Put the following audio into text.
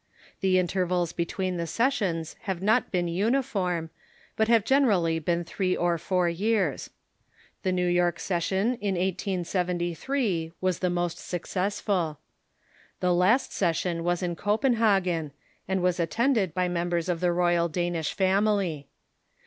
The intervals between the sessions have not been nni The Sessions r i ^ i n i ^i r form, but have generally been three or tour years. The New York session, in 1873, was the most successful. The last session was in Copenhagen, and was attended by mem bers of the royal Danish family.